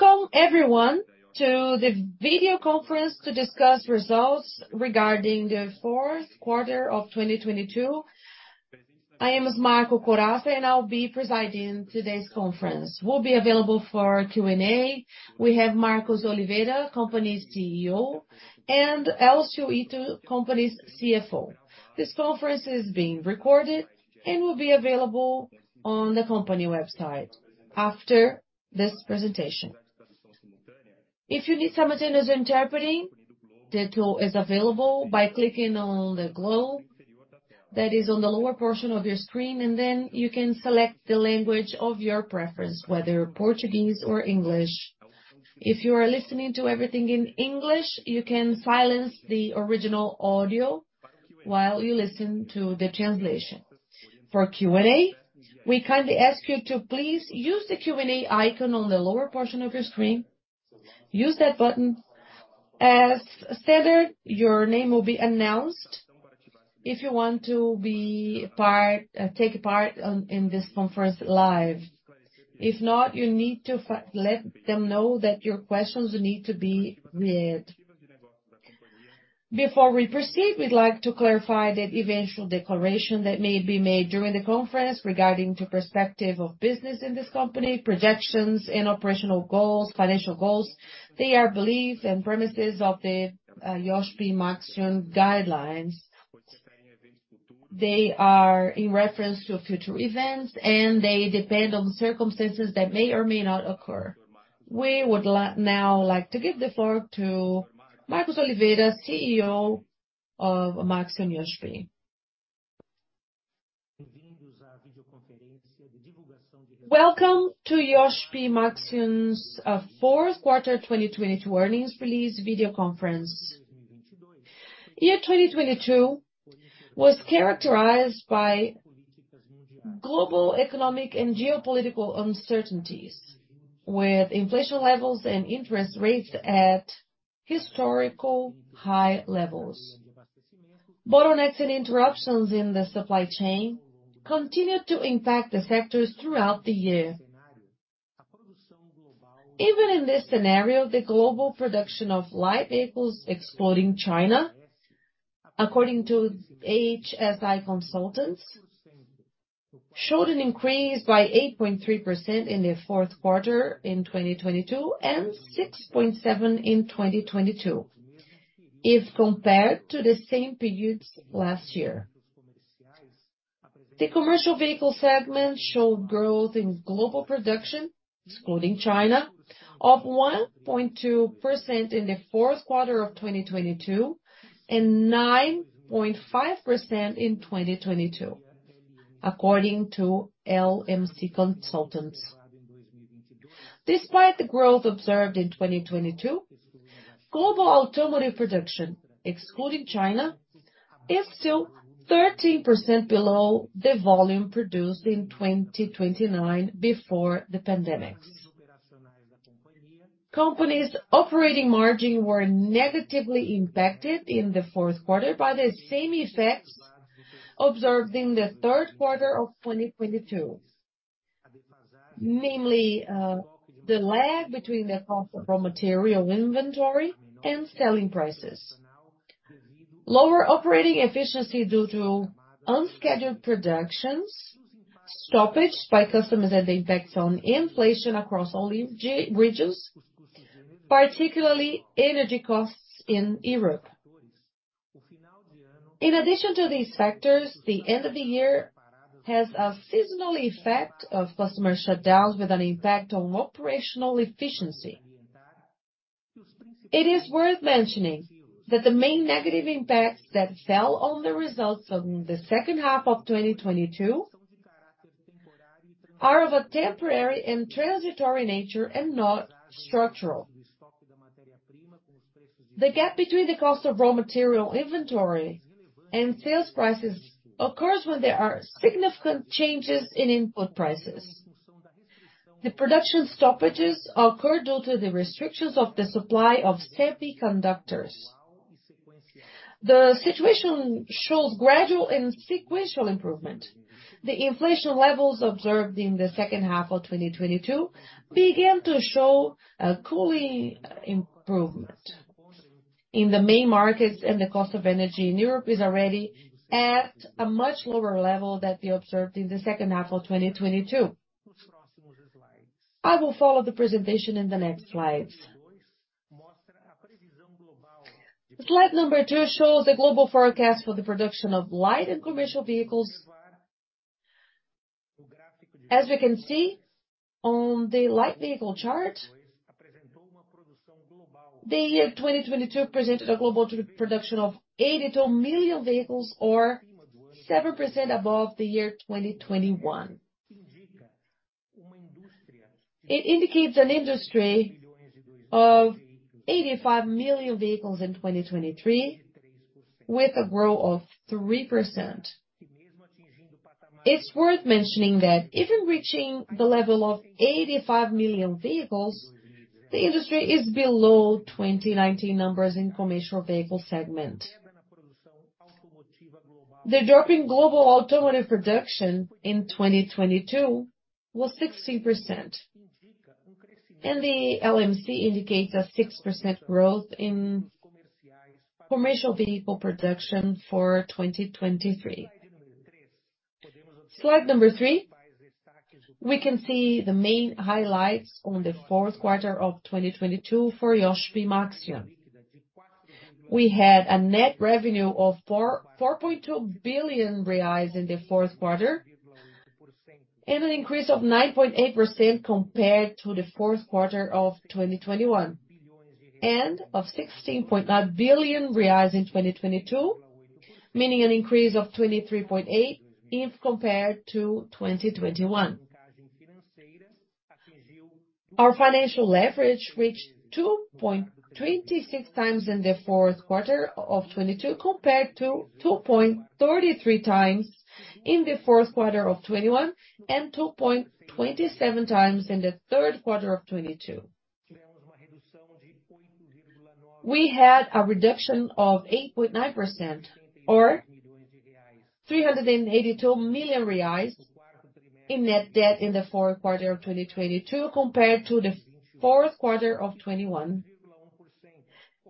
Welcome everyone to the video conference to discuss results regarding the fourth quarter of 2022. I am Marcos Corazza, I'll be presiding today's conference. We'll be available for Q&A. We have Marcos Oliveira, company's CEO, and Elcio Ito, company's CFO. This conference is being recorded and will be available on the company website after this presentation. If you need simultaneous interpreting, the tool is available by clicking on the globe that is on the lower portion of your screen, then you can select the language of your preference, whether Portuguese or English. If you are listening to everything in English, you can silence the original audio while you listen to the translation. For Q&A, we kindly ask you to please use the Q&A icon on the lower portion of your screen. Use that button. As stated, your name will be announced if you want to take part in this conference live. If not, you need to let them know that your questions need to be read. Before we proceed, we'd like to clarify that eventual declaration that may be made during the conference regarding to perspective of business in this company, projections and operational goals, financial goals, they are beliefs and premises of the Iochpe-Maxion guidelines. They are in reference to future events, they depend on circumstances that may or may not occur. We would now like to give the floor to Marcos Oliveira, CEO of Iochpe-Maxion. Welcome to Iochpe-Maxion's Q4 2022 earnings release video conference. Year 2022 was characterized by global economic and geopolitical uncertainties, with inflation levels and interest rates at historical high levels. Bottlenecks and interruptions in the supply chain continued to impact the sectors throughout the year. Even in this scenario, the global production of light vehicles excluding China, according to IHS consultants, showed an increase by 8.3% in the fourth quarter in 2022, and 6.7% in 2022 if compared to the same period last year. The commercial vehicle segment showed growth in global production, excluding China, of 1.2% in the fourth quarter of 2022, and 9.5% in 2022, according to LMC consultants. Despite the growth observed in 2022, global automotive production, excluding China, is still 13% below the volume produced in 2029 before the pandemic. Company's operating margin were negatively impacted in the fourth quarter by the same effects observed in the third quarter of 2022. Namely, the lag between the cost of raw material inventory and selling prices. Lower operating efficiency due to unscheduled productions, stoppages by customers, and the impacts on inflation across all regions, particularly energy costs in Europe. In addition to these factors, the end of the year has a seasonal effect of customer shutdowns with an impact on operational efficiency. It is worth mentioning that the main negative impacts that fell on the results of the second half of 2022 are of a temporary and transitory nature and not structural. The gap between the cost of raw material inventory and sales prices occurs when there are significant changes in input prices. The production stoppages occur due to the restrictions of the supply of semiconductors. The situation shows gradual and sequential improvement. The inflation levels observed in the second half of 2022 began to show a cooling improvement in the main markets, and the cost of energy in Europe is already at a much lower level than we observed in the second half of 2022. I will follow the presentation in the next slides. Slide number two shows the global forecast for the production of light and commercial vehicles. As we can see on the light vehicle chart, the year 2022 presented a global production of 82 million vehicles or 7% above the year 2021. It indicates an industry of 85 million vehicles in 2023, with a growth of 3%. It's worth mentioning that even reaching the level of 85 million vehicles, the industry is below 2019 numbers in commercial vehicle segment. The drop in global automotive production in 2022 was 16%. The LMC indicates a 6% growth in commercial vehicle production for 2023. Slide number three, we can see the main highlights on the fourth quarter of 2022 for Iochpe-Maxion. We had a net revenue of 4.2 billion reais in the fourth quarter, and an increase of 9.8% compared to the fourth quarter of 2021, and of 16 point billion in 2022, meaning an increase of 23.8% if compared to 2021. Our financial leverage reached 2.26x in the fourth quarter of 2022, compared to 2.33x in the fourth quarter of 2021, and 2.27x in the third quarter of 2022. We had a reduction of 8.9% or 382 million reais in net debt in the fourth quarter of 2022 compared to the fourth quarter of 2021,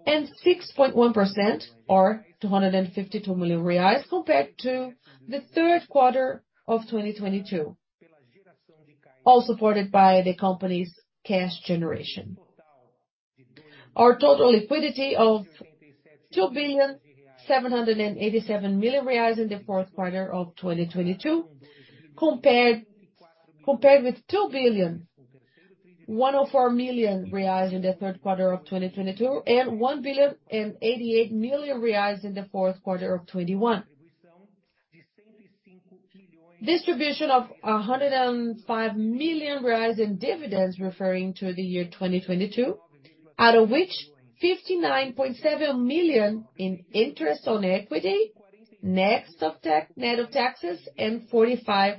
and 6.1% or 252 million reais compared to the third quarter of 2022, all supported by the company's cash generation. Our total liquidity of 2,787 million reais in the fourth quarter of 2022, compared with 2,104 million reais in the third quarter of 2022, and 1,088 million reais in the fourth quarter of 2021. Distribution of 105 million reais in dividends referring to the year 2022, out of which 59.7 million in interest on equity, net of taxes, and 45.5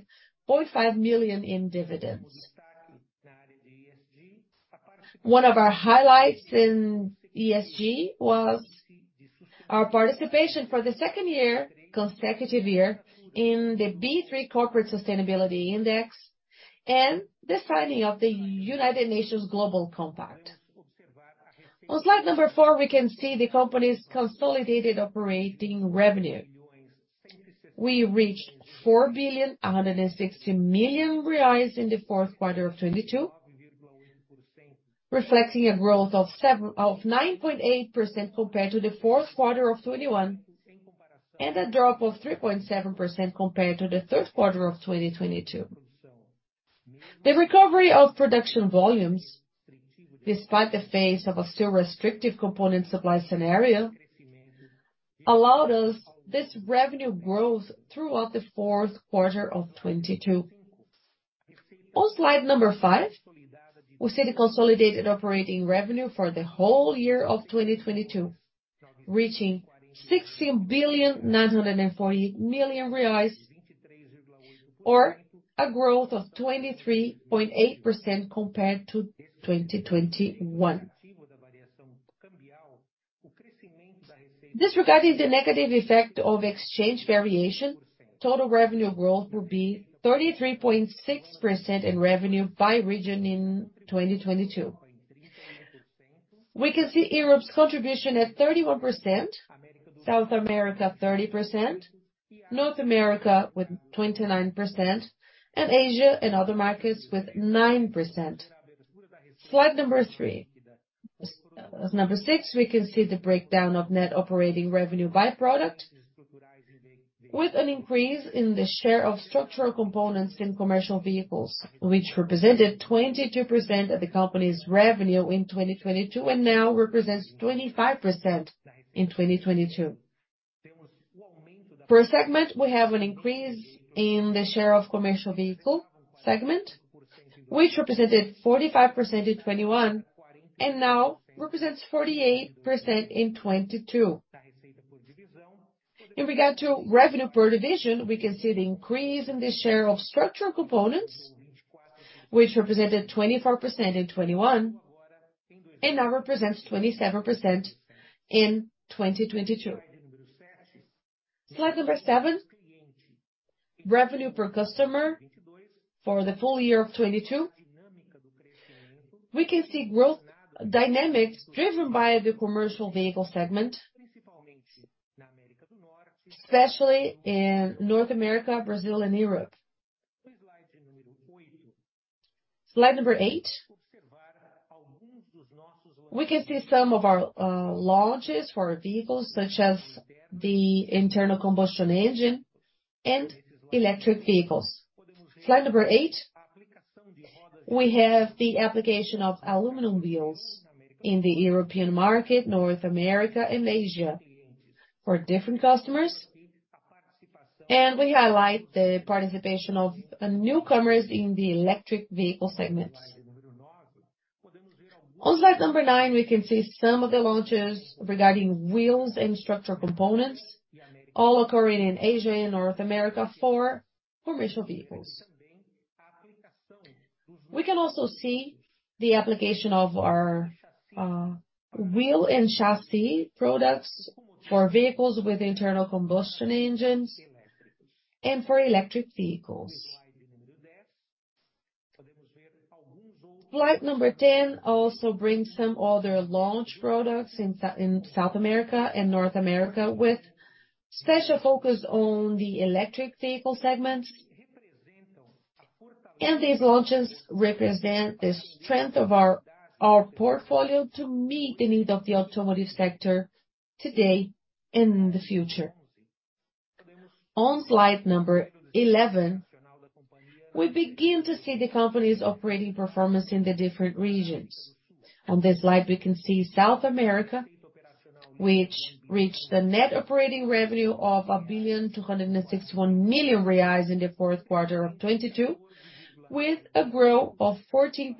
million in dividends. One of our highlights in ESG was our participation for the second year, consecutive year in the B3 Corporate Sustainability Index and the signing of the United Nations Global Compact. On slide number four, we can see the company's consolidated operating revenue. We reached 4.16 billion in the fourth quarter of 2022, reflecting a growth of 9.8% compared to the fourth quarter of 2021, and a drop of 3.7% compared to the third quarter of 2022. The recovery of production volumes, despite the face of a still restrictive component supply scenario, allowed us this revenue growth throughout the fourth quarter of 2022. On slide number five, we see the consolidated operating revenue for the whole year of 2022, reaching 16.948 billion, or a growth of 23.8% compared to 2021. Disregarding the negative effect of exchange variation, total revenue growth will be 33.6% in revenue by region in 2022. We can see Europe's contribution at 31%, South America, 30%, North America with 29%, and Asia and other markets with 9%. Slide number three. Slide number six, we can see the breakdown of net operating revenue by product with an increase in the share of structural components in commercial vehicles, which represented 22% of the company's revenue in 2022 and now represents 25% in 2022. Per segment, we have an increase in the share of commercial vehicle segment, which represented 45% in 2021 and now represents 48% in 2022. In regard to revenue per division, we can see the increase in the share of structural components, which represented 24% in 2021 and now represents 27% in 2022. Slide number seven, revenue per customer for the full year of 2022. We can see growth dynamics driven by the commercial vehicle segment, especially in North America, Brazil, and Europe. Slide number eight, we can see some of our launches for vehicles such as the internal combustion engine and electric vehicles. Slide number eight, we have the application of aluminum wheels in the European market, North America, and Asia for different customers, and we highlight the participation of newcomers in the electric vehicle segment. On slide number nine, we can see some of the launches regarding wheels and structural components, all occurring in Asia and North America for commercial vehicles. We can also see the application of our wheel and chassis products for vehicles with internal combustion engines and for electric vehicles. Slide number 10 also brings some other launch products in South America and North America with special focus on the electric vehicle segment. These launches represent the strength of our portfolio to meet the need of the automotive sector today and in the future. On slide number 11, we begin to see the company's operating performance in the different regions. On this slide, we can see South America, which reached a net operating revenue of 1.261 billion in the fourth quarter of 2022, with a growth of 14.9%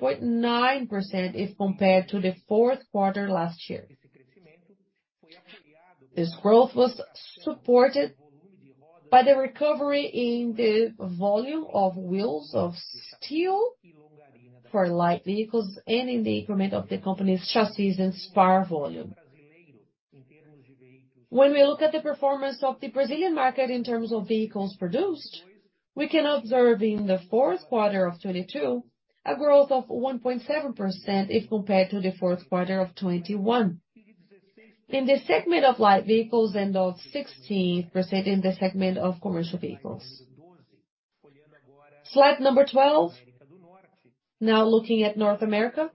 if compared to the fourth quarter last year. This growth was supported by the recovery in the volume of wheels of steel for light vehicles and in the increment of the company's chassis and spare volume. When we look at the performance of the Brazilian market in terms of vehicles produced, we can observe in the fourth quarter of 2022 a growth of 1.7% if compared to the fourth quarter of 2021. In the segment of light vehicles and of 16% in the segment of commercial vehicles. Slide number 12. Now looking at North America.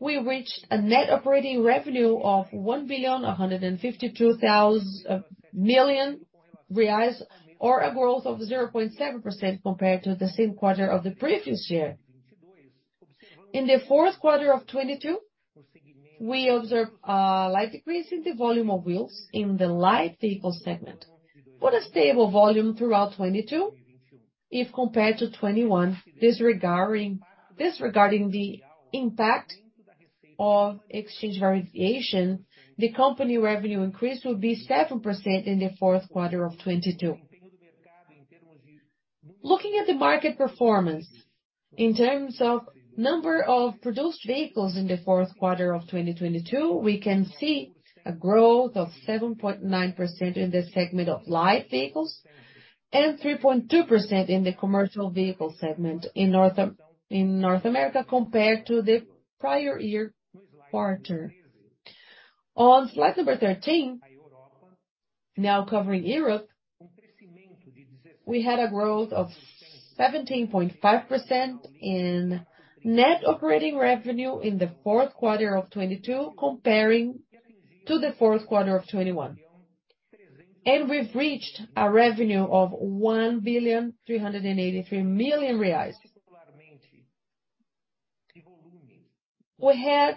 We reached a net operating revenue of 1.152 billion, or a growth of 0.7% compared to the same quarter of the previous year. In the fourth quarter of 2022, we observed a light decrease in the volume of wheels in the light vehicle segment, with a stable volume throughout 2022 if compared to 2021. Disregarding the impact of exchange variation, the company revenue increase will be 7% in the fourth quarter of 2022. Looking at the market performance, in terms of number of produced vehicles in the fourth quarter of 2022, we can see a growth of 7.9% in the segment of light vehicles and 3.2% in the commercial vehicle segment in North America, compared to the prior year quarter. On slide number 13, now covering Europe, we had a growth of 17.5% in net operating revenue in the fourth quarter of 2022 comparing to the fourth quarter of 2021. We've reached a revenue of 1,383 million reais. We had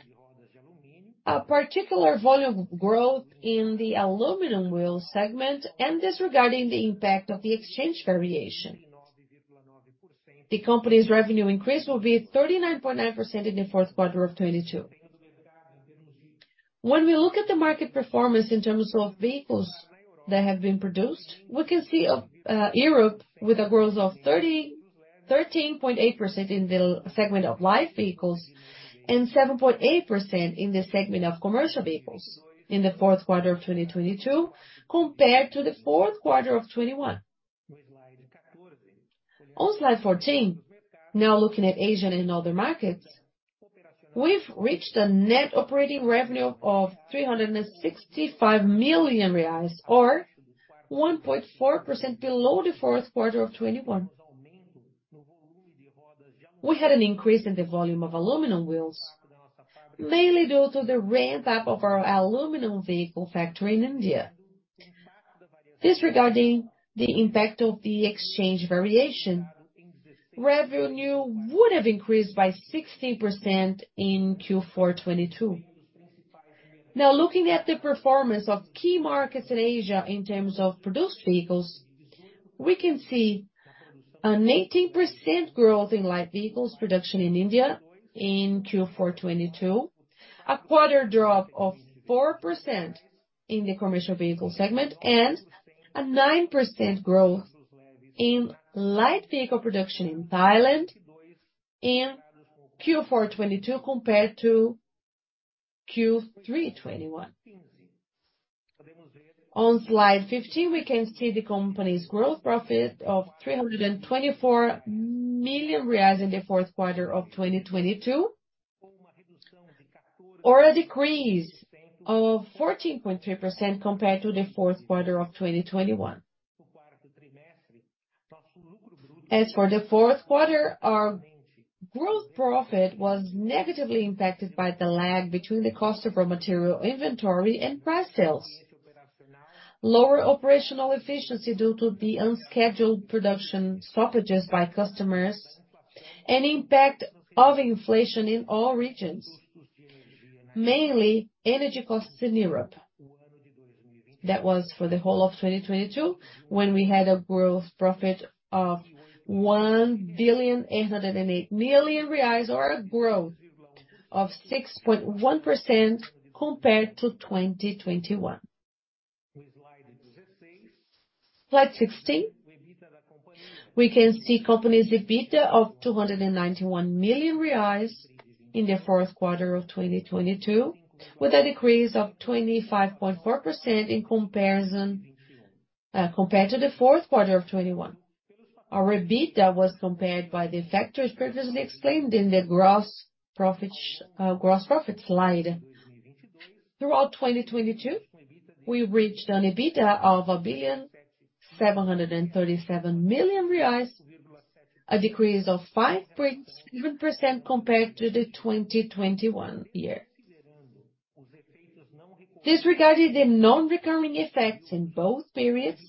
a particular volume growth in the aluminum wheel segment and disregarding the impact of the exchange variation. The company's revenue increase will be 39.9% in the fourth quarter of 2022. When we look at the market performance in terms of vehicles that have been produced, we can see a Europe with a growth of 13.8% in the segment of light vehicles and 7.8% in the segment of commercial vehicles in the fourth quarter of 2022 compared to the fourth quarter of 2021. On slide 14, looking at Asia and other markets, we've reached a net operating revenue of 365 million reais, or 1.4% below the fourth quarter of 2021. We had an increase in the volume of aluminum wheels, mainly due to the ramp-up of our aluminum vehicle factory in India. Disregarding the impact of the exchange variation, revenue would have increased by 16% in Q4 2022. Looking at the performance of key markets in Asia in terms of produced vehicles, we can see an 18% growth in light vehicles production in India in Q4 2022, a quarter drop of 4% in the commercial vehicle segment, and a 9% growth in light vehicle production in Thailand in Q4 2022 compared to Q3 2021. On slide 15, we can see the company's growth profit of 324 million reais in the fourth quarter of 2022, or a decrease of 14.3% compared to the fourth quarter of 2021. As for the fourth quarter, our growth profit was negatively impacted by the lag between the cost of our material inventory and price sales. Lower operational efficiency due to the unscheduled production stoppages by customers and impact of inflation in all regions, mainly energy costs in Europe. That was for the whole of 2022, when we had a growth profit of 1 billion, 808 million, or a growth of 6.1% compared to 2021. Slide 16. We can see company's EBITDA of 291 million reais in the fourth quarter of 2022, with a decrease of 25.4% in comparison, compared to the fourth quarter of 2021. Our EBITDA was compared by the factors previously explained in the gross profits slide. Throughout 2022, we reached an EBITDA of 1.737 billion, a decrease of 5.7% compared to the 2021 year. Disregarding the non-recurring effects in both periods,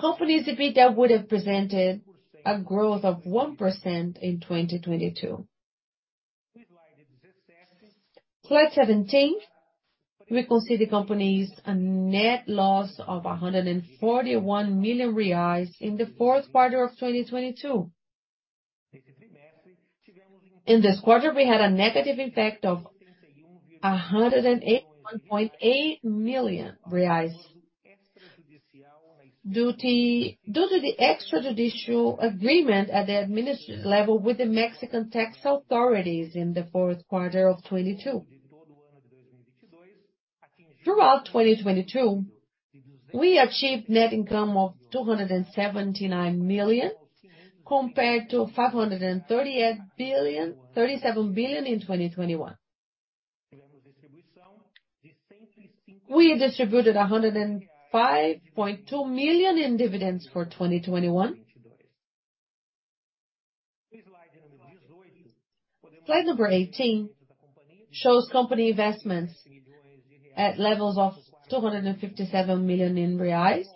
company's EBITDA would have presented a growth of 1% in 2022. Slide 17, we can see the company's net loss of 141 million reais in the fourth quarter of 2022. In this quarter, we had a negative impact of BRL 108.8 million. Due to the extra-judicial agreement at the adminis-level with the Mexican tax authorities in the fourth quarter of 2022. Throughout 2022, we achieved net income of 279 million, compared to 537 billion in 2021. We distributed 105.2 million in dividends for 2021. Slide number 18 shows company investments at levels of 257 million reais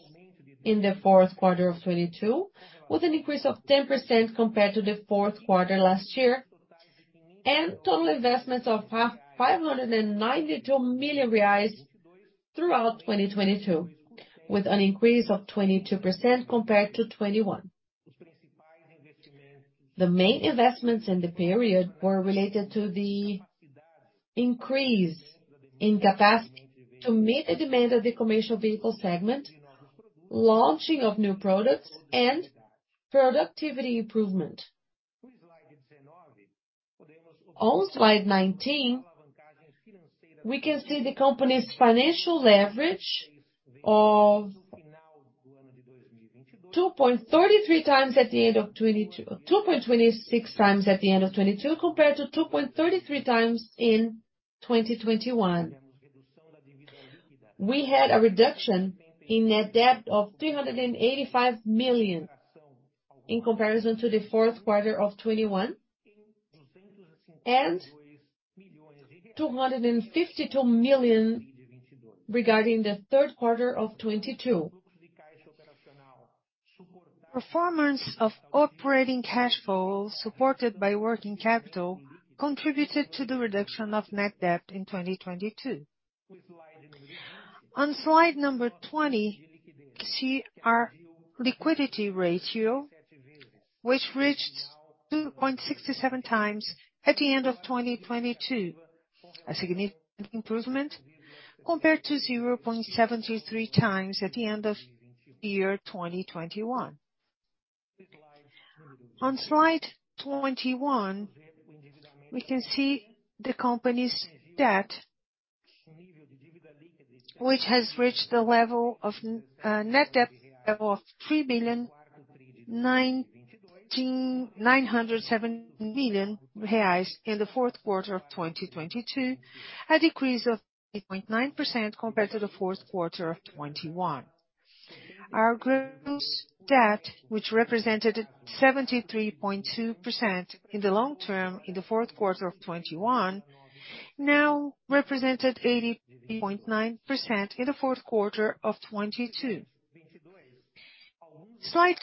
in the fourth quarter of 2022, with an increase of 10% compared to the fourth quarter last year, and total investments of 592 million reais throughout 2022, with an increase of 22% compared to 2021. The main investments in the period were related to the increase in capacity to meet the demand of the commercial vehicle segment, launching of new products and productivity improvement. On slide 19, we can see the company's financial leverage of 2.26x at the end of 2022 compared to 2.33x in 2021. We had a reduction in net debt of 385 million in comparison to the fourth quarter of 2021 and 252 million regarding the third quarter of 2022. Performance of operating cash flow supported by working capital contributed to the reduction of net debt in 2022. On slide number 20, see our liquidity ratio, which reached 2.67x at the end of 2022, a significant improvement compared to 0.73x at the end of year 2021. On slide 21, we can see the company's debt, which has reached the net debt level of 3 billion 907 million in Q4 2022, a decrease of 3.9% compared to Q4 2021. Our gross debt, which represented 73.2% in the long term in Q4 2021, now represented 80.9% in Q4 2022. Slide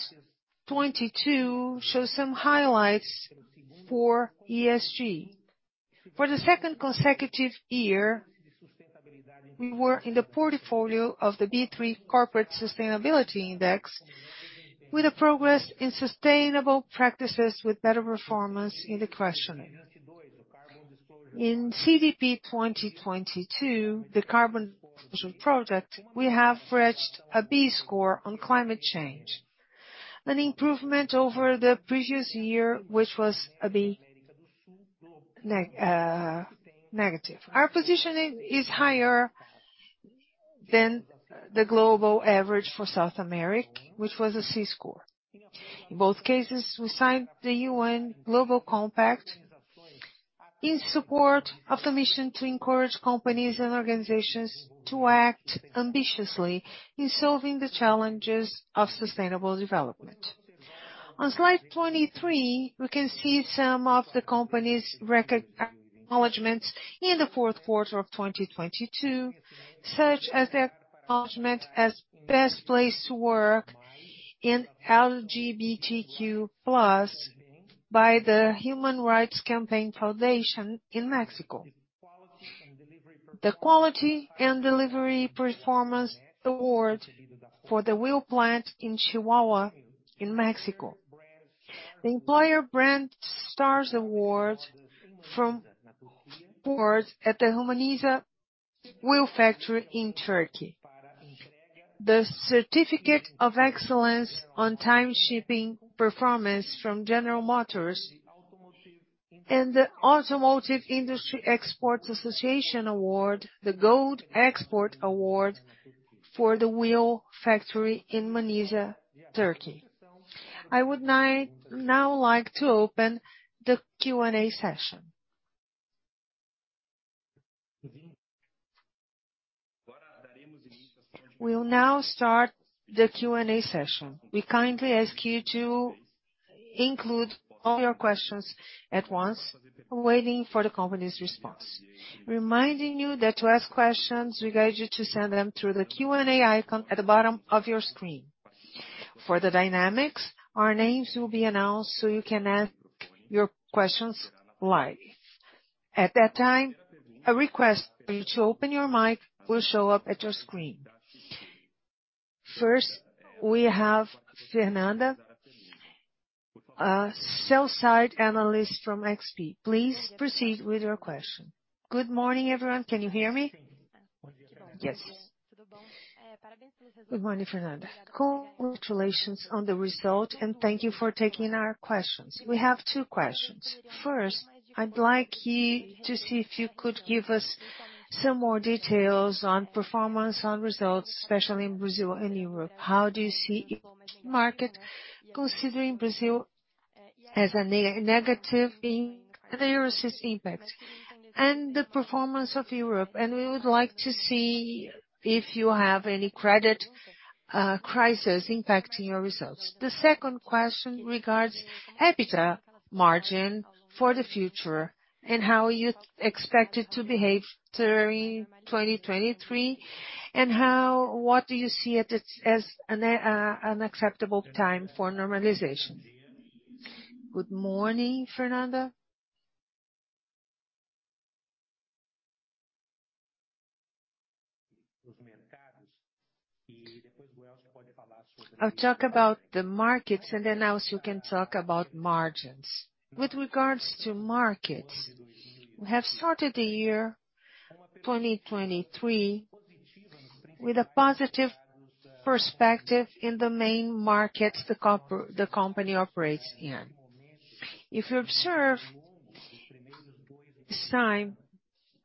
22 shows some highlights for ESG. For the second consecutive year, we were in the portfolio of the B3 Corporate Sustainability Index, with a progress in sustainable practices with better performance in the questioning. In CDP 2022, the Carbon Disclosure Project, we have reached a B score on climate change, an improvement over the previous year, which was a B negative. Our positioning is higher than the global average for South America, which was a C score. In both cases, we signed the UN Global Compact in support of the mission to encourage companies and organizations to act ambitiously in solving the challenges of sustainable development. On slide 23, we can see some of the company's acknowledgement in the fourth quarter of 2022, such as the acknowledgement as best place to work in LGBTQ+ by the Human Rights Campaign Foundation in Mexico. The quality and delivery performance award for the wheel plant in Chihuahua in Mexico. The Employer Brand STARS Award. Awards at the Manisa Wheel Factory in Turkey. The Certificate of Excellence On Time Shipping Performance from General Motors and the Automotive Industry Exports Association Award, the Golden Export Award for the wheel factory in Manisa, Turkey. I would now like to open the Q&A session. We'll now start the Q&A session. We kindly ask you to include all your questions at once, waiting for the company's response. Reminding you that to ask questions, we guide you to send them through the Q&A icon at the bottom of your screen. For the dynamics, our names will be announced so you can ask your questions live. At that time, a request for you to open your mic will show up at your screen. First, we have Fernanda, sell-side analyst from XP. Please proceed with your question. Good morning, everyone. Can you hear me? Yes. Good morning, Fernanda. Congratulations on the result, and thank you for taking our questions. We have two questions. First, I'd like you to see if you could give us some more details on performance, on results, especially in Brazil and Europe. How do you see market considering Brazil as a negative in the Eurosystem impact and the performance of Europe? We would like to see if you have any credit crisis impacting your results. The second question regards EBITDA margin for the future and how you expect it to behave during 2023, and what do you see it as an acceptable time for normalization? Good morning, Fernanda. I'll talk about the markets, and then also you can talk about margins. With regards to markets, we have started the year 2023 with a positive perspective in the main markets the company operates in. If you observe this time,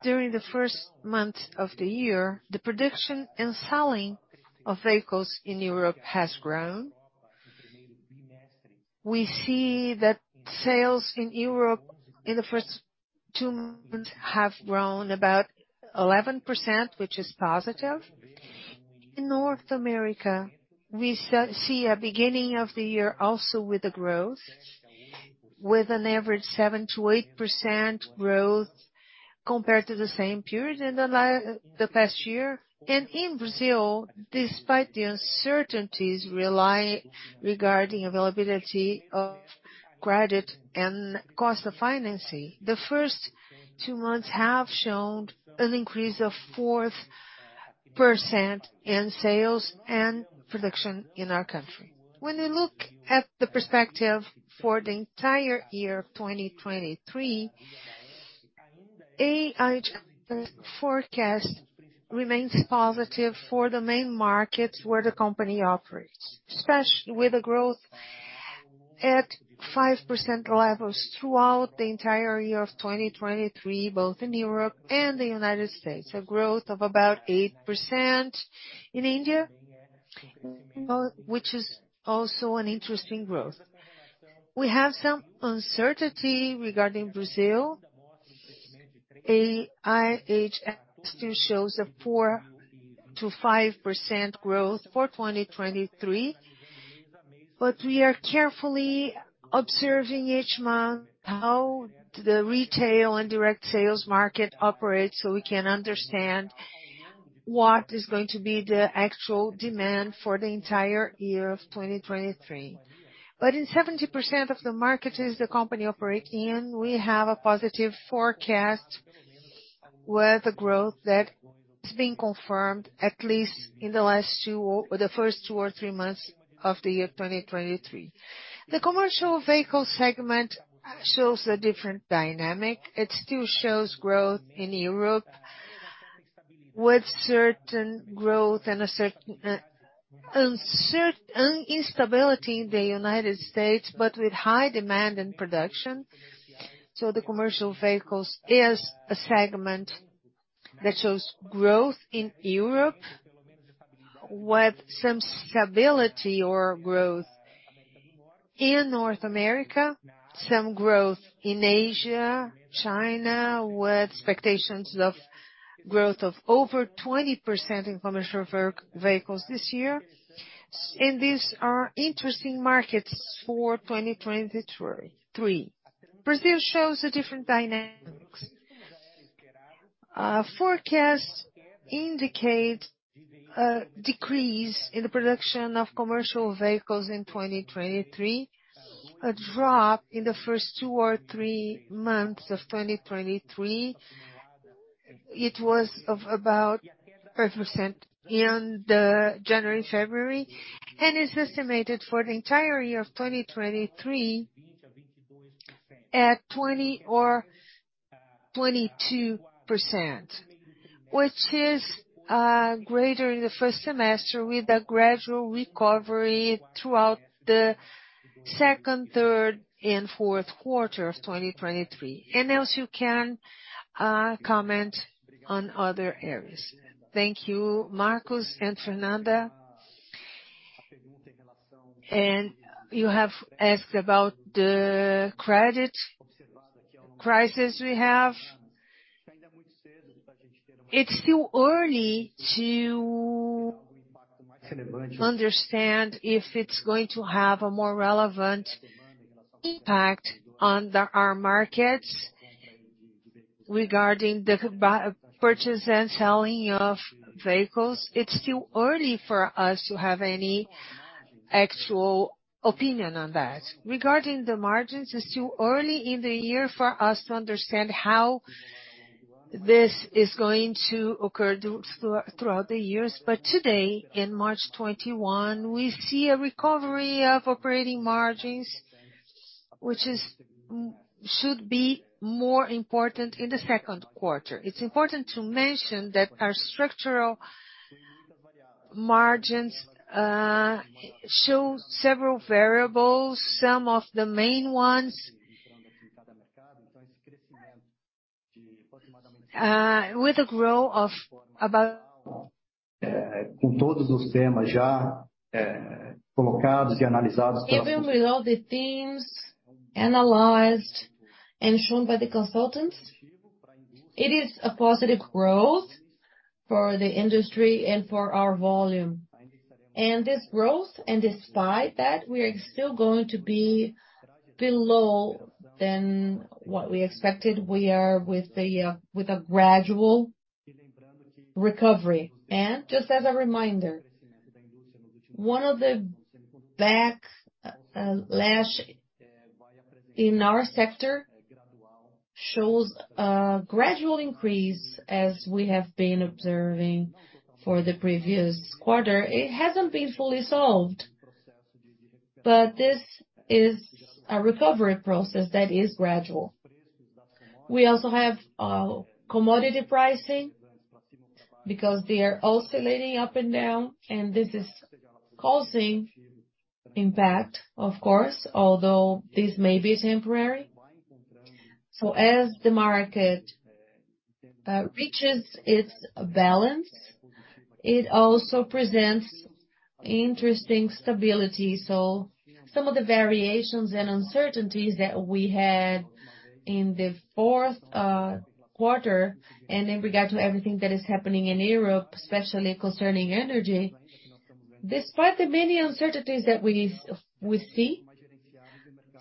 during the first month of the year, the production and selling of vehicles in Europe has grown. We see that sales in Europe in the first two months have grown about 11%, which is positive. In North America, we see a beginning of the year also with a growth, with an average 7%-8% growth compared to the same period in the past year. In Brazil, despite the uncertainties regarding availability of credit and cost of financing, the first two months have shown an increase of 4% in sales and production in our country. When we look at the perspective for the entire year of 2023, IHS forecast remains positive for the main markets where the company operates, with a growth at 5% levels throughout the entire year of 2023, both in Europe and the United States. A growth of about 8% in India, which is also an interesting growth. We have some uncertainty regarding Brazil. IHS still shows a 4%-5% growth for 2023, we are carefully observing each month how the retail and direct sales market operates so we can understand what is going to be the actual demand for the entire year of 2023. In 70% of the markets the company operate in, we have a positive forecast with a growth that is being confirmed at least in the first two or three months of the year 2023. The commercial vehicle segment shows a different dynamic. It still shows growth in Europe with certain growth and instability in the United States, with high demand and production. The commercial vehicles is a segment that shows growth in Europe with some stability or growth in North America, some growth in Asia, China, with expectations of growth of over 20% in commercial vehicles this year. These are interesting markets for 2023. Brazil shows a different dynamics. Forecasts indicate a decrease in the production of commercial vehicles in 2023, a drop in the first two or three months of 2023. It was of about 30% in the January, February, and is estimated for the entire year of 2023 at 20% or 22%, which is greater in the first semester with a gradual recovery throughout the second, third and fourth quarter of 2023. Elcio, you can comment on other areas. Thank you, Marcos and Fernanda. You have asked about the credit crisis we have. It's still early to understand if it's going to have a more relevant impact on our markets. Regarding the purchase and selling of vehicles, it's still early for us to have any actual opinion on that. Regarding the margins, it's too early in the year for us to understand how this is going to occur throughout the years. Today, in March 21, we see a recovery of operating margins, which should be more important in the second quarter. It's important to mention that our structural margins show several variables. Some of the main ones, with a growth of about. Even with all the themes analyzed and shown by the consultants, it is a positive growth for the industry and for our volume. This growth, and despite that, we are still going to be below than what we expected. We are with a gradual recovery. Just as a reminder, one of the backlash in our sector shows a gradual increase as we have been observing for the previous quarter. It hasn't been fully solved. This is a recovery process that is gradual. We also have commodity pricing because they are oscillating up and down. This is causing impact, of course, although this may be temporary. As the market reaches its balance, it also presents interesting stability. Some of the variations and uncertainties that we had in the fourth quarter and in regard to everything that is happening in Europe, especially concerning energy. Despite the many uncertainties that we see,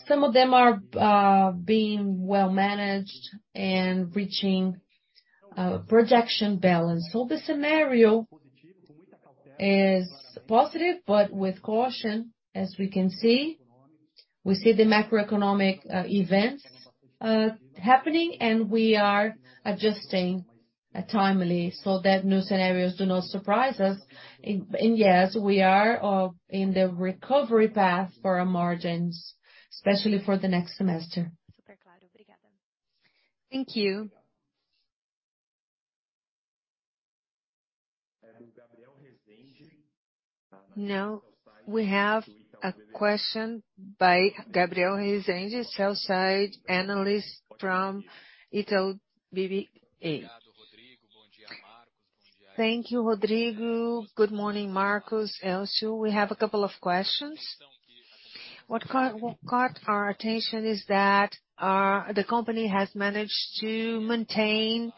some of them are being well managed and reaching projection balance. The scenario is positive, but with caution, as we can see. We see the macroeconomic events happening, and we are adjusting it timely so that new scenarios do not surprise us. Yes, we are in the recovery path for our margins, especially for the next semester. Thank you. We have a question by Gabriel Rezende, sell-side analyst from Itaú BBA. Thank you, Rodrigo. Good morning, Marcos. We have a couple of questions. What caught our attention is that the company has managed to maintain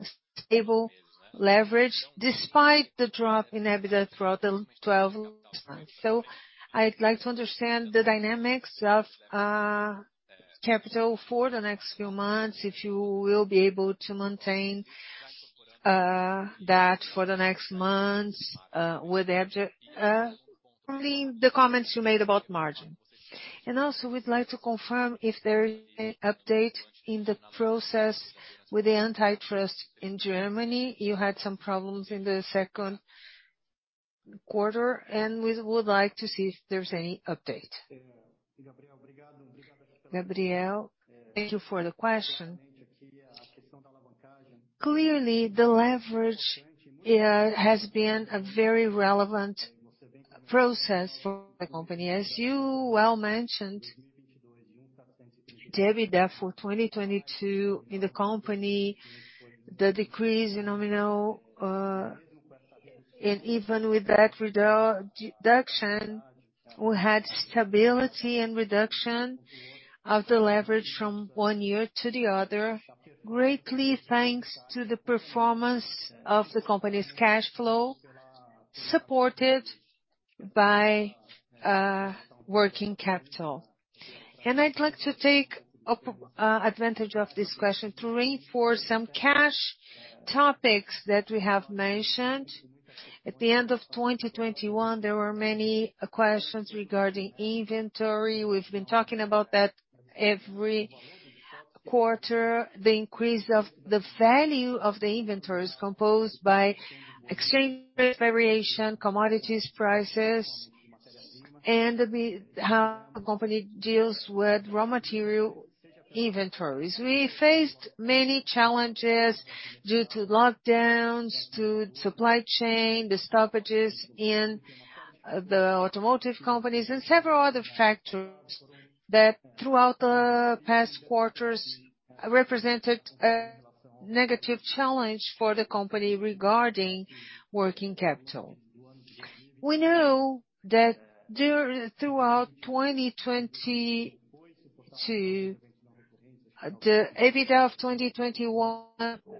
a stable leverage despite the drop in EBITDA throughout the 12 months. I'd like to understand the dynamics of capital for the next few months, if you will be able to maintain that for the next months, including the comments you made about margin. We'd like to confirm if there is any update in the process with the antitrust in Germany. You had some problems in the second quarter. We would like to see if there's any update. Gabriel, thank you for the question. Clearly, the leverage has been a very relevant process for the company. As you well mentioned, the EBITDA for 2022 in the company, the decrease in nominal deduction, we had stability and reduction of the leverage from one year to the other, greatly thanks to the performance of the company's cash flow, supported by working capital. I'd like to take advantage of this question to reinforce some cash topics that we have mentioned. At the end of 2021, there were many questions regarding inventory. We've been talking about that. Every quarter, the increase of the value of the inventory is composed by exchange variation, commodities prices and how the company deals with raw material inventories. We faced many challenges due to lockdowns, to supply chain, the stoppages in the automotive companies and several other factors that throughout the past quarters represented a negative challenge for the company regarding working capital. We know that throughout 2022, the EBITDA of 2021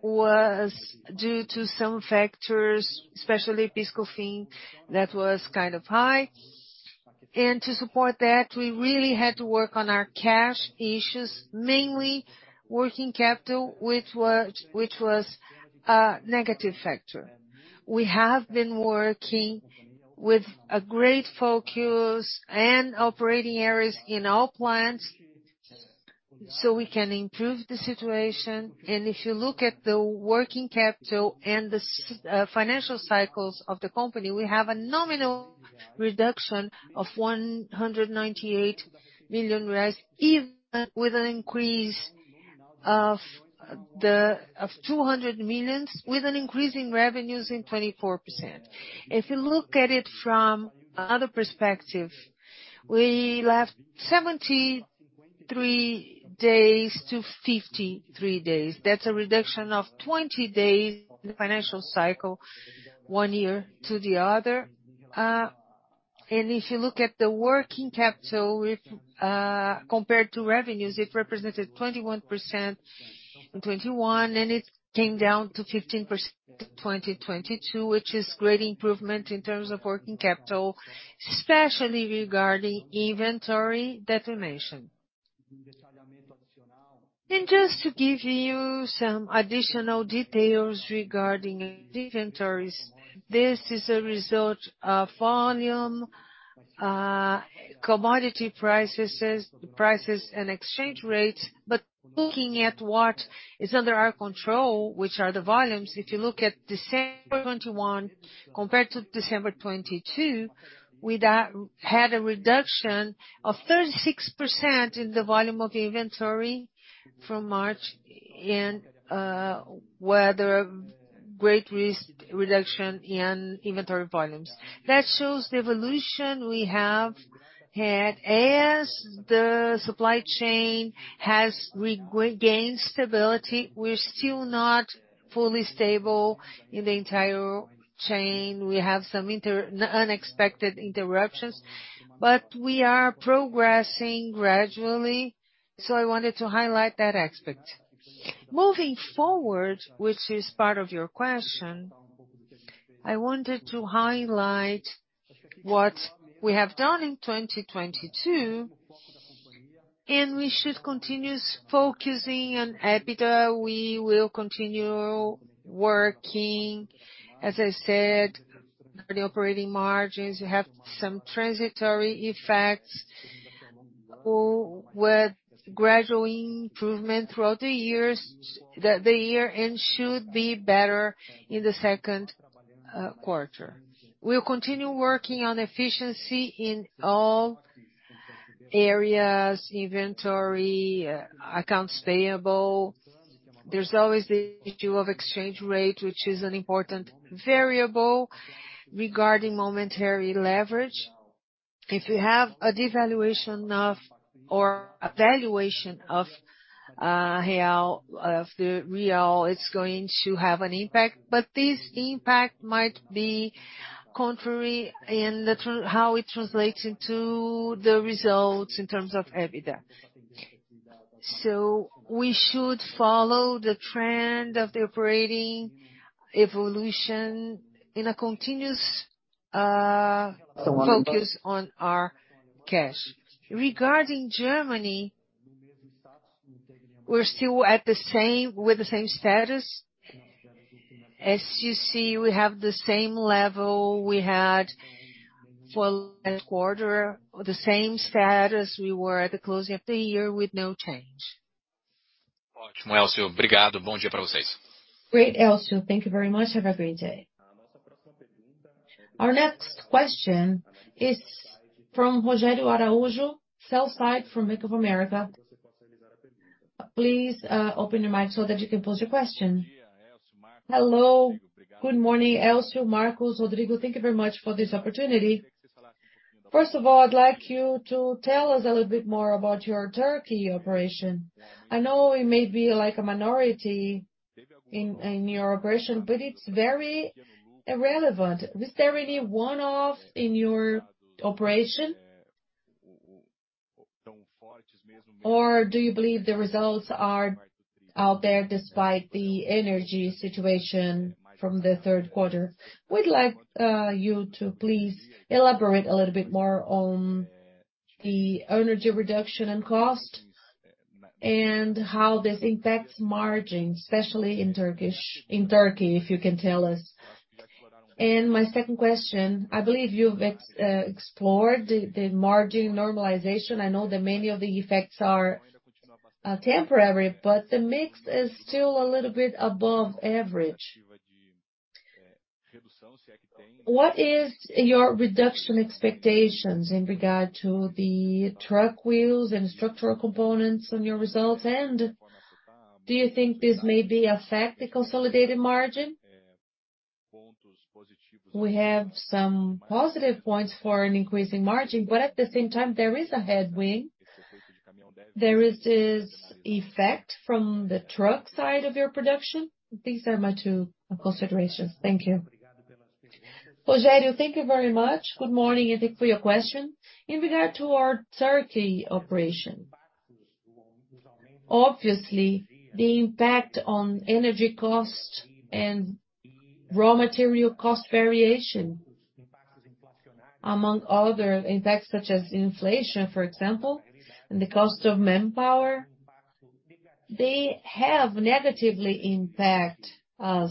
was due to some factors, especially PIS/COFINS, that was kind of high. To support that, we really had to work on our cash issues, mainly working capital, which was a negative factor. We have been working with a great focus and operating areas in all plants so we can improve the situation. If you look at the working capital and the financial cycles of the company, we have a nominal reduction of 198 million, even with an increase of 200 million, with an increase in revenues in 24%. If you look at it from another perspective, we left 73 days to 53 days. That's a reduction of 20 days in the financial cycle one year to the other. If you look at the working capital with compared to revenues, it represented 21% in 2021, and it came down to 15% in 2022, which is great improvement in terms of working capital, especially regarding inventory determination. Just to give you some additional details regarding inventories, this is a result of volume, commodity prices and exchange rates. Looking at what is under our control, which are the volumes, if you look at December 2021 compared to December 2022, we had a reduction of 36% in the volume of inventory from March and where there are great risk reduction in inventory volumes. That shows the evolution we have had as the supply chain has re-gained stability. We're still not fully stable in the entire chain. We have some unexpected interruptions, but we are progressing gradually. I wanted to highlight that aspect. Moving forward, which is part of your question, I wanted to highlight what we have done in 2022, and we should continue focusing on EBITDA. We will continue working, as I said, the operating margins have some transitory effects with gradual improvement throughout the year and should be better in the second quarter. We'll continue working on efficiency in all areas, inventory, accounts payable. There's always the issue of exchange rate, which is an important variable regarding momentary leverage. If you have a devaluation or a valuation of the real, it's going to have an impact. This impact might be contrary how it translates into the results in terms of EBITDA. We should follow the trend of the operating evolution in a continuous focus on our cash. Regarding Germany, we're still with the same status. As you see, we have the same level we had for last quarter, the same status we were at the closing of the year with no change. Great, Elcio. Thank you very much. Have a great day. Our next question is from Rogério Araújo, sell side from Bank of America. Please, open your mic so that you can pose your question. Hello, good morning, Elcio, Marcos, Rodrigo. Thank you very much for this opportunity. First of all, I'd like you to tell us a little bit more about your Turkey operation. I know it may be like a minority in your operation, but it's very irrelevant. Was there any one-off in your operation? Do you believe the results are out there despite the energy situation from the third quarter? We'd like you to please elaborate a little bit more on the energy reduction and cost and how this impacts margin, especially in Turkey, if you can tell us. My second question, I believe you've explored the margin normalization. I know that many of the effects are temporary, but the mix is still a little bit above average. What is your reduction expectations in regard to the truck wheels and structural components on your results? Do you think this may be affect the consolidated margin? We have some positive points for an increasing margin, but at the same time, there is a headwind. There is this effect from the truck side of your production. These are my two considerations. Thank you. Rogério, thank you very much. Good morning, and thank you for your question. In regard to our Turkey operation, obviously, the impact on energy cost and raw material cost variation, among other impacts such as inflation, for example, and the cost of manpower, they have negatively impact us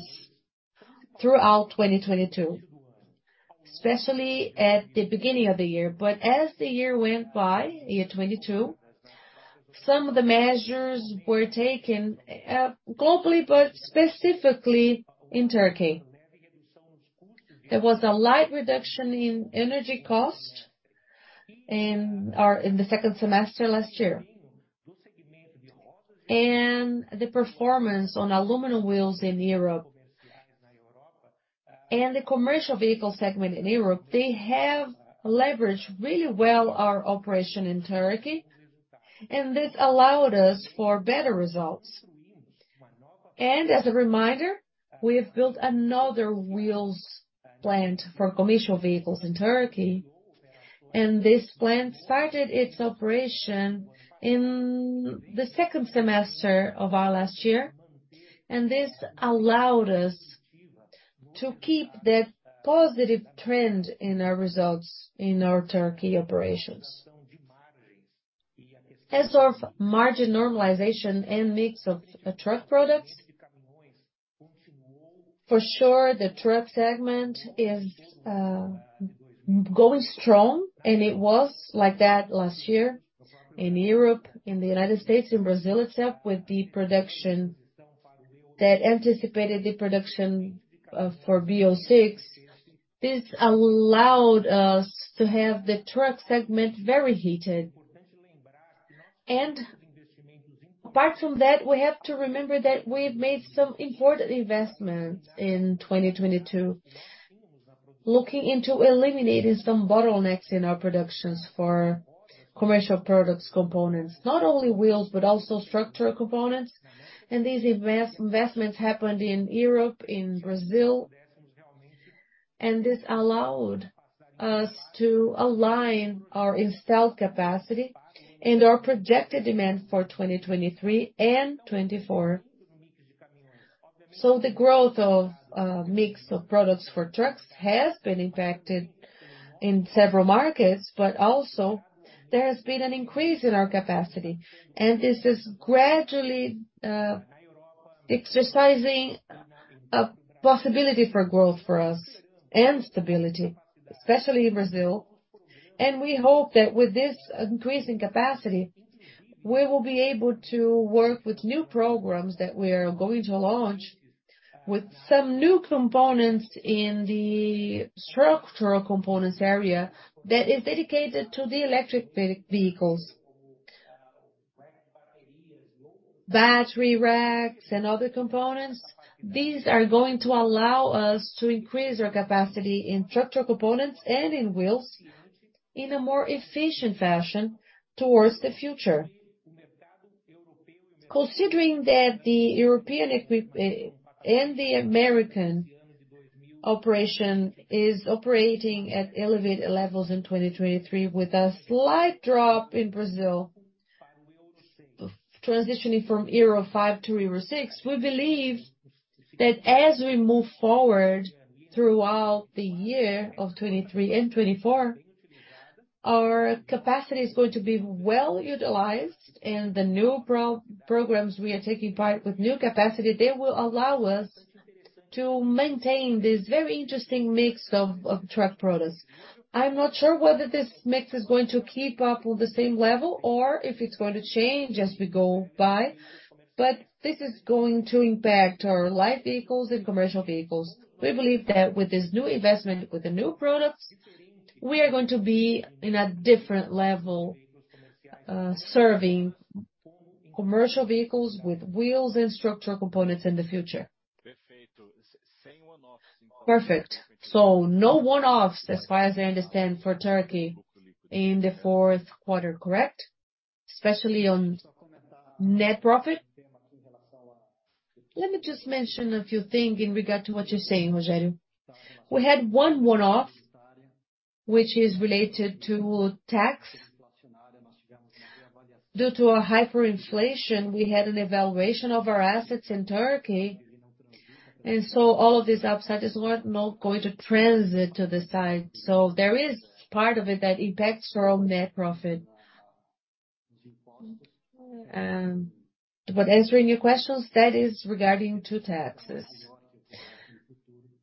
throughout 2022, especially at the beginning of the year. As the year went by, year 2022, some of the measures were taken, globally, but specifically in Turkey. There was a light reduction in energy cost in the second semester last year. The performance on aluminum wheels in Europe and the commercial vehicle segment in Europe, they have leveraged really well our operation in Turkey, and this allowed us for better results. As a reminder, we have built another wheels plant for commercial vehicles in Turkey, and this plant started its operation in the second semester of our last year. This allowed us to keep that positive trend in our results in our Turkey operations. As of margin normalization and mix of truck products, for sure, the truck segment is going strong, and it was like that last year in Europe, in the United States, in Brazil itself, with the production that anticipated the production for BS6. This allowed us to have the truck segment very heated. Apart from that, we have to remember that we've made some important investments in 2022, looking into eliminating some bottlenecks in our productions for commercial products components, not only wheels, but also structural components. These investments happened in Europe, in Brazil, and this allowed us to align our installed capacity and our projected demand for 2023 and 2024. The growth of mix of products for trucks has been impacted in several markets, but also there has been an increase in our capacity. This is gradually exercising a possibility for growth for us and stability, especially in Brazil. We hope that with this increasing capacity, we will be able to work with new programs that we're going to launch with some new components in the structural components area that is dedicated to the electric vehicles. Battery racks and other components, these are going to allow us to increase our capacity in structural components and in wheels in a more efficient fashion towards the future. Considering that the European and the American operation is operating at elevated levels in 2023 with a slight drop in Brazil, transitioning from Euro 5 to Euro 6, we believe that as we move forward throughout the year of 2023 and 2024, our capacity is going to be well-utilized, and the new pro-programs we are taking part with new capacity, they will allow us to maintain this very interesting mix of truck products. I'm not sure whether this mix is going to keep up with the same level or if it's going to change as we go by, but this is going to impact our light vehicles and commercial vehicles. We believe that with this new investment, with the new products, we are going to be in a different level, serving commercial vehicles with wheels and structural components in the future. Perfect. No one-offs as far as I understand for Turkey in the fourth quarter, correct? Especially on net profit. Let me just mention a few thing in regard to what you're saying, Rogério. We had one one-off, which is related to tax. Due to a hyperinflation, we had an evaluation of our assets in Turkey, All of this upside is what not going to transit to the side. There is part of it that impacts our own net profit. Answering your questions, that is regarding two taxes.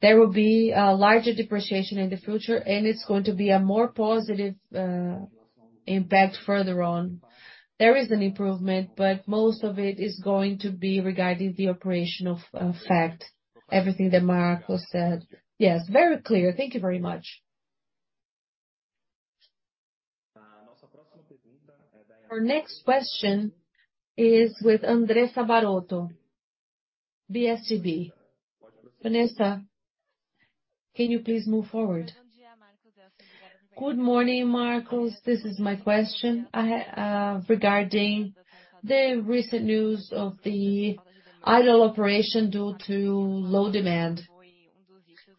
There will be a larger depreciation in the future, and it's going to be a more positive impact further on. There is an improvement, but most of it is going to be regarding the operational effect. Everything that Marcos said. Yes, very clear. Thank you very much. Our next question is with Andressa Varotto, BSGB. Andressa, can you please move forward? Good morning, Marcos. This is my question. Regarding the recent news of the idle operation due to low demand.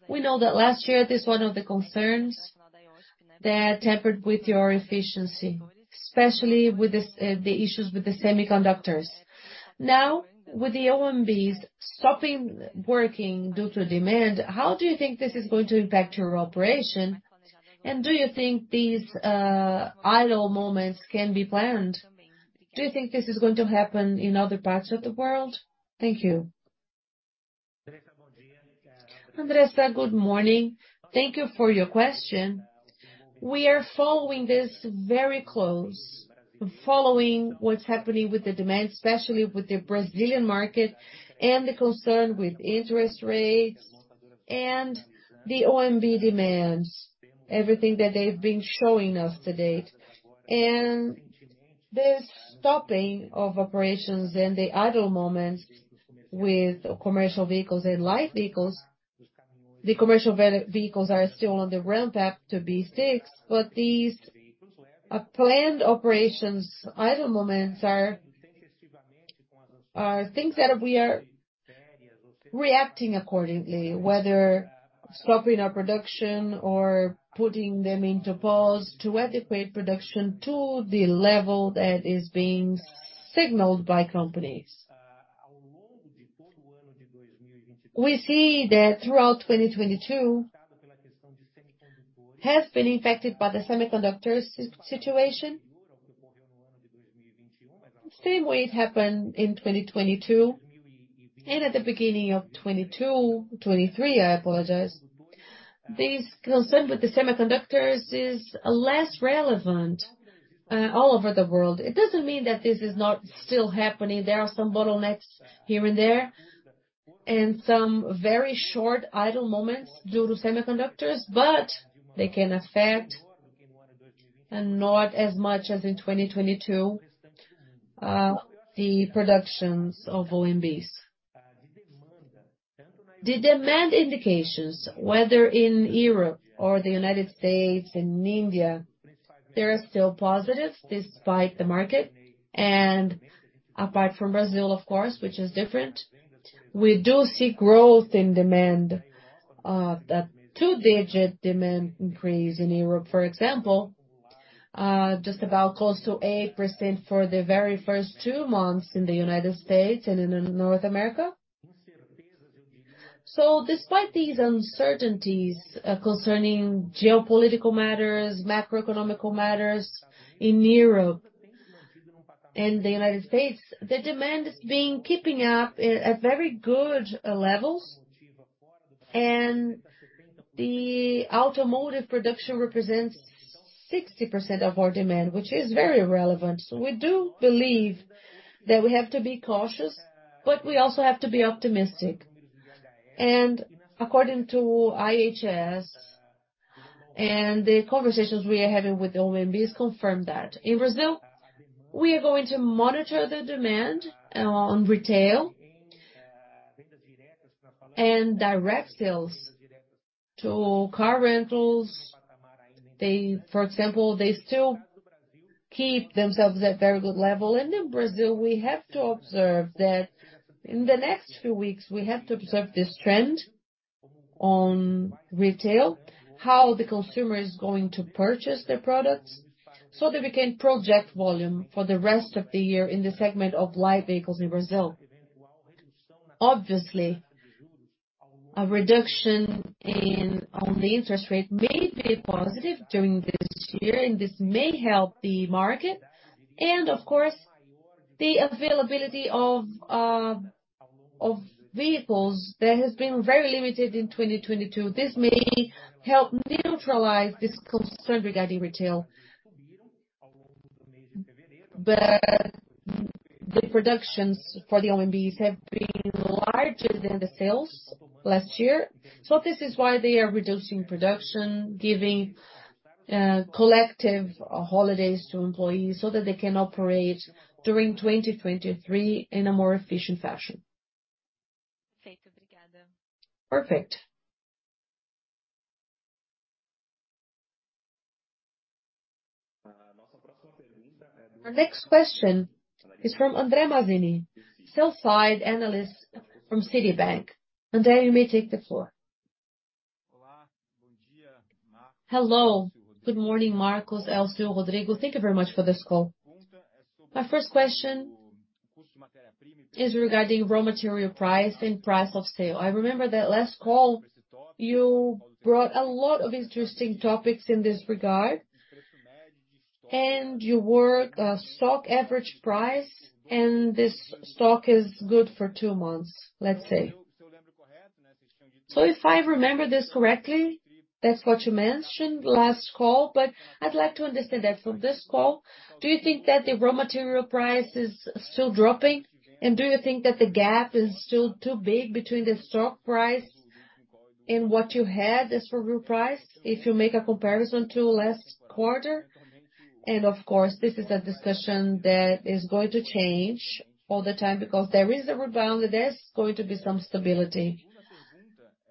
We know that last year, this one of the concerns that tempered with your efficiency, especially with the issues with the semiconductors. Now, with the OEMs stopping working due to demand, how do you think this is going to impact your operation? Do you think these idle moments can be planned? Do you think this is going to happen in other parts of the world? Thank you. Andressa, good morning. Thank you for your question. We are following this very close. Following what's happening with the demand, especially with the Brazilian market and the concern with interest rates and the OEMs demands, everything that they've been showing us to date. This stopping of operations and the idle moments with commercial vehicles and light vehicles. The commercial vehicles are still on the ramp up to BS6, but these planned operations idle moments are things that we are reacting accordingly, whether stopping our production or putting them into pause to adequate production to the level that is being signaled by companies. We see that throughout 2022 has been affected by the semiconductor situation. Same way it happened in 2022 and at the beginning of 2023, I apologize. This concern with the semiconductors is less relevant all over the world. It doesn't mean that this is not still happening. There are some bottlenecks here and there, and some very short idle moments due to semiconductors, but they can affect, and not as much as in 2022, the productions of OEMs. The demand indications, whether in Europe or the United States and India, they are still positive despite the market. Apart from Brazil, of course, which is different, we do see growth in demand, that two-digit demand increase in Europe, for example, just about close to 8% for the very first two months in the United States and in North America. Despite these uncertainties, concerning geopolitical matters, macroeconomical matters in Europe and the United States, the demand has been keeping up at very good levels. The automotive production represents 60% of our demand, which is very relevant. We do believe that we have to be cautious, but we also have to be optimistic. According to IHS, and the conversations we are having with the OEMs confirmed that. In Brazil, we are going to monitor the demand on retail and direct sales to car rentals. For example, they still keep themselves at very good level. In Brazil, we have to observe that in the next few weeks, we have to observe this trend on retail, how the consumer is going to purchase their products so that we can project volume for the rest of the year in the segment of light vehicles in Brazil. Obviously, a reduction on the interest rate may be positive during this year, and this may help the market. Of course, the availability of vehicles that has been very limited in 2022. This may help neutralize this concern regarding retail. The productions for the OEMs have been larger than the sales last year. This is why they are reducing production, giving collective holidays to employees so that they can operate during 2023 in a more efficient fashion. Perfect. Our next question is from André Mazini, sell-side analyst from Citi. André, you may take the floor. Hello. Good morning, Marcos, Elcio, Rodrigo. Thank you very much for this call. My first question is regarding raw material price and price of sale. I remember that last call, you brought a lot of interesting topics in this regard, and you were stock average price, and this stock is good for two months, let's say. If I remember this correctly, that's what you mentioned last call, but I'd like to understand that from this call. Do you think that the raw material price is still dropping? Do you think that the gap is still too big between the stock price and what you had as for raw price if you make a comparison to last quarter? Of course, this is a discussion that is going to change all the time because there is a rebound, there's going to be some stability.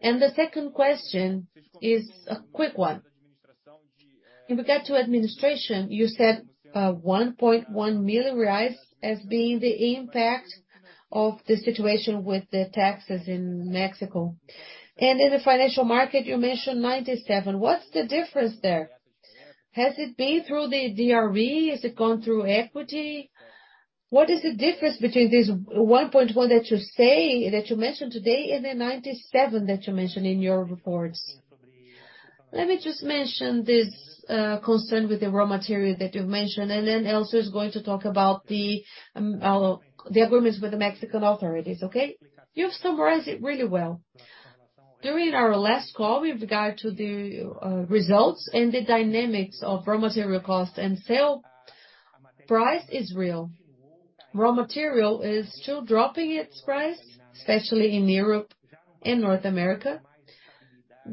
The second question is a quick one. In regard to administration, you said 1.1 million reais rise as being the impact of the situation with the taxes in Mexico. In the financial market, you mentioned 97. What's the difference there? Has it been through the DRE? Has it gone through equity? What is the difference between this 1.1 that you mentioned today and the 97 that you mentioned in your reports? Let me just mention this concern with the raw material that you've mentioned, and then Elcio is going to talk about the agreements with the Mexican authorities, okay? You've summarized it really well. During our last call, with regard to the results and the dynamics of raw material costs and sale, price is real. Raw material is still dropping its price, especially in Europe and North America,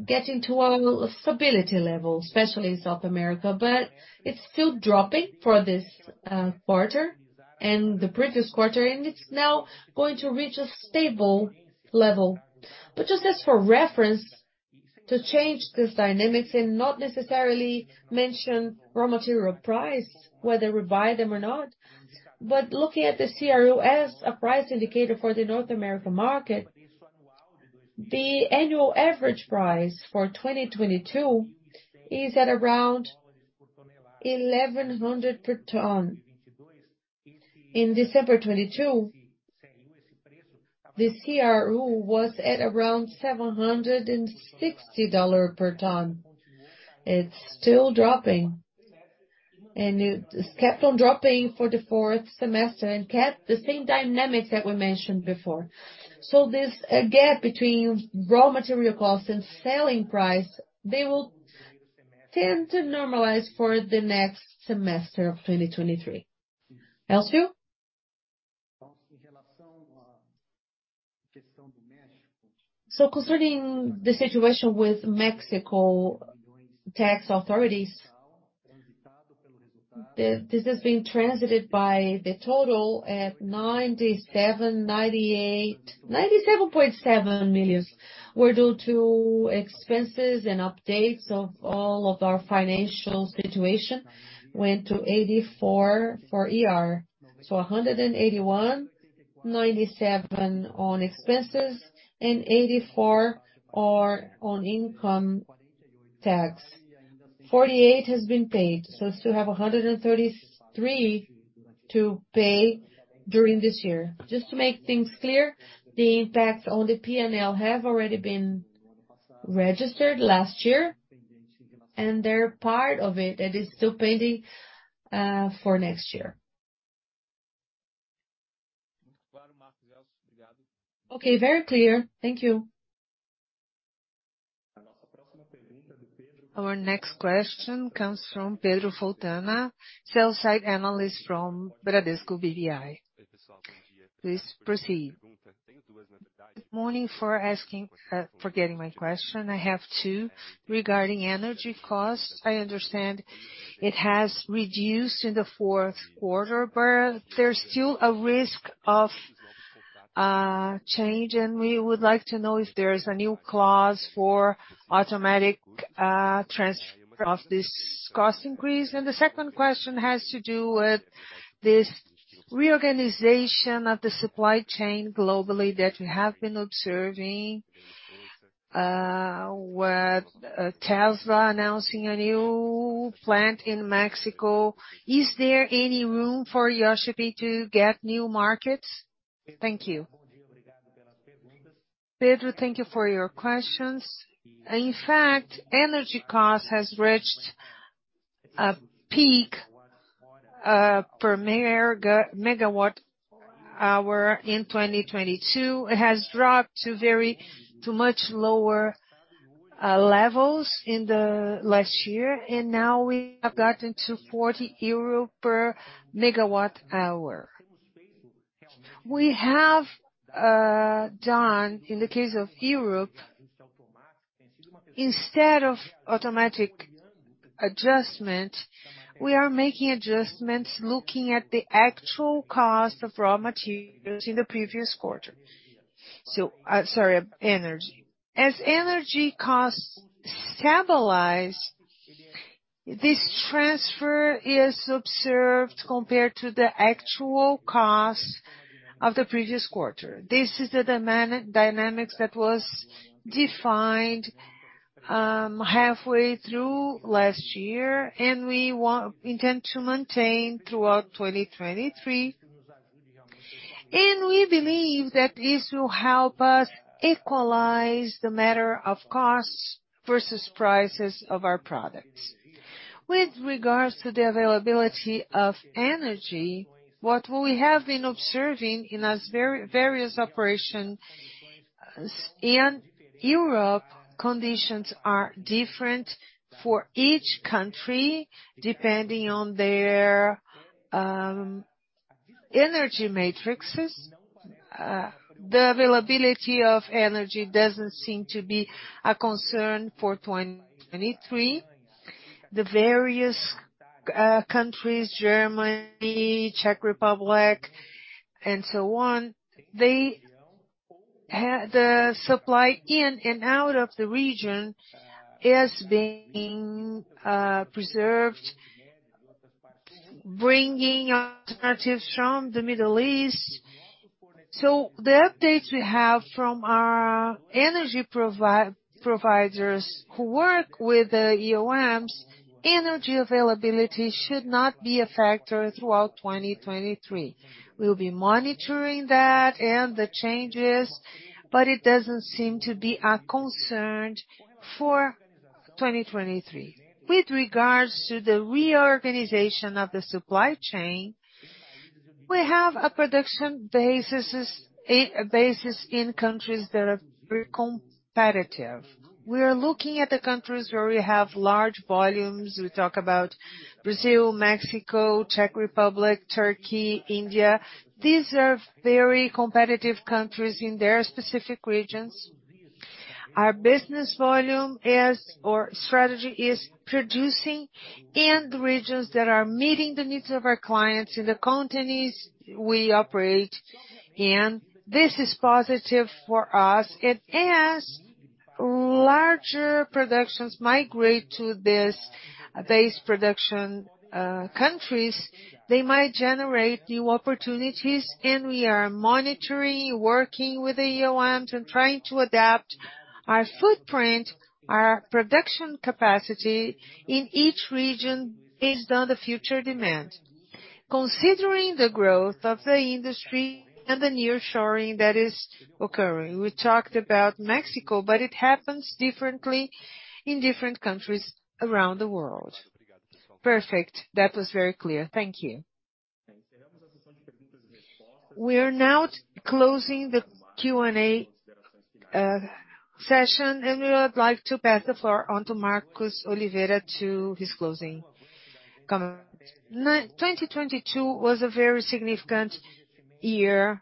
getting to a stability level, especially in South America. It's still dropping for this quarter and the previous quarter, and it's now going to reach a stable level. Just as for reference, to change this dynamics and not necessarily mention raw material price, whether we buy them or not. Looking at the CRU as a price indicator for the North American market, the annual average price for 2022 is at around $1,100 per ton. In December 2022, the CRU was at around $760 per ton. It's still dropping, and it's kept on dropping for the fourth semester and kept the same dynamics that we mentioned before. This gap between raw material costs and selling price, they will tend to normalize for the next semester of 2023. Elcio? Concerning the situation with Mexico tax authorities, this is being transited by the total at 97.7 million were due to expenses and updates of all of our financial situation, went to 84 for ER. 181, 97 on expenses, and 84 are on income tax. 48 has been paid, so still have 133 to pay during this year. Just to make things clear, the impact on the P&L have already been registered last year, and they're part of it that is still pending for next year. Okay, very clear. Thank you. Our next question comes from Pedro Fontana, sell-side analyst from Bradesco BBI. Please proceed. Good morning for forgetting my question. I have two. Regarding energy costs, I understand it has reduced in the fourth quarter, but there's still a risk of change, and we would like to know if there is a new clause for automatic of this cost increase. The second question has to do with this reorganization of the supply chain globally that we have been observing with Tesla announcing a new plant in Mexico. Is there any room for JHSF to get new markets? Thank you. Pedro, thank you for your questions. In fact, energy cost has reached a peak per megawatt hour in 2022. It has dropped to very much lower levels in the last year. Now we have gotten to 4 euro/MGh. We have done, in the case of Europe, instead of automatic adjustment, we are making adjustments looking at the actual cost of raw materials in the previous quarter. Sorry, energy. As energy costs stabilize, this transfer is observed compared to the actual costs of the previous quarter. This is the dynamics that was defined. Halfway through last year, we intend to maintain throughout 2023. We believe that this will help us equalize the matter of costs versus prices of our products. With regards to the availability of energy, what we have been observing in various operations in Europe, conditions are different for each country, depending on their energy matrixes. The availability of energy doesn't seem to be a concern for 2023. The various countries, Germany, Czech Republic, and so on, they had the supply in and out of the region as being preserved, bringing alternatives from the Middle East. The updates we have from our energy providers who work with the OEMs, energy availability should not be a factor throughout 2023. We'll be monitoring that and the changes, but it doesn't seem to be a concern for 2023. With regards to the reorganization of the supply chain, we have a basis in countries that are very competitive. We are looking at the countries where we have large volumes. We talk about Brazil, Mexico, Czech Republic, Turkey, India. These are very competitive countries in their specific regions. Our business volume is, or strategy is producing in the regions that are meeting the needs of our clients in the countries we operate in. This is positive for us. As larger productions migrate to this base production, countries, they might generate new opportunities, and we are monitoring, working with the OEMs and trying to adapt our footprint, our production capacity in each region based on the future demand. Considering the growth of the industry and the nearshoring that is occurring, we talked about Mexico, but it happens differently in different countries around the world. Perfect. That was very clear. Thank you. We are now closing the Q&A session. We would like to pass the floor on to Marcos Oliveira to his closing comments. 2022 was a very significant year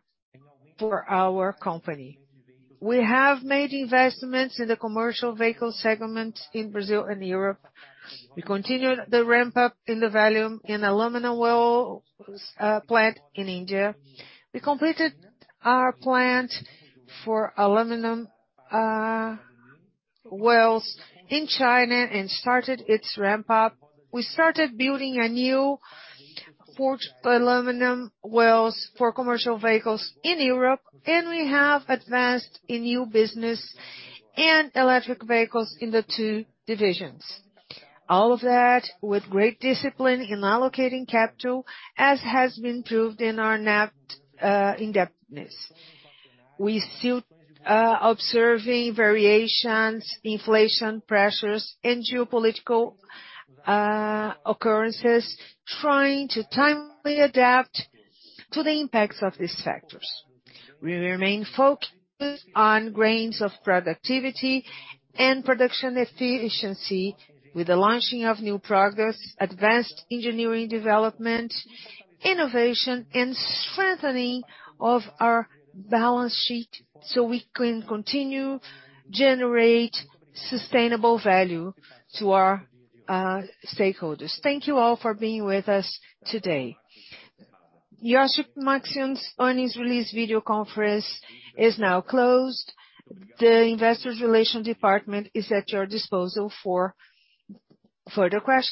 for our company. We have made investments in the commercial vehicle segment in Brazil and Europe. We continued the ramp-up in the volume in aluminum wheel plant in India. We completed our plant for aluminum wheels in China and started its ramp-up. We started building a new forged aluminum wheels for commercial vehicles in Europe, and we have advanced in new business and electric vehicles in the two divisions. All of that with great discipline in allocating capital, as has been proved in our net indebtedness. We still observing variations, inflation pressures and geopolitical occurrences, trying to timely adapt to the impacts of these sectors. We remain focused on grains of productivity and production efficiency with the launching of new products, advanced engineering development, innovation, and strengthening of our balance sheet so we can continue generate sustainable value to our stakeholders. Thank you all for being with us today. Iochpe-Maxion's earnings release video conference is now closed. The Investor Relations Department is at your disposal for further questions.